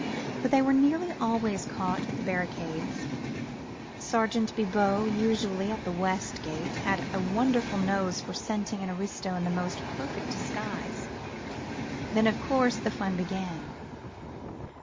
But they were nearly always caught at the barricades. Sergeant Bibot especially at the West Gate had a wonderful nose for scenting an aristo in the most perfect disguise. Then, of course, the fun began.